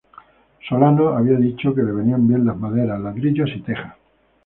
Solano había dicho que le venían bien las maderas, ladrillos y tejas.